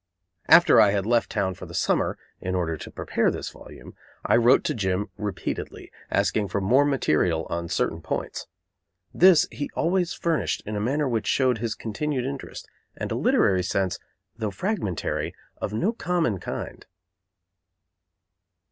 After I had left town for the summer, in order to prepare this volume, I wrote to Jim repeatedly, asking for more material on certain points. This he always furnished in a manner which showed his continued interest, and a literary sense, though fragmentary, of no common kind.